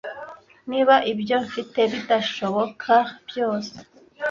niba ibyo mfite bidashoboka byose